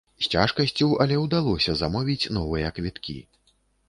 З цяжкасцю, але ўдалося замовіць новыя квіткі!